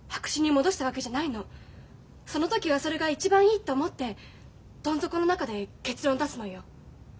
その時はそれが一番いいと思ってどん底の中で結論出すのよ。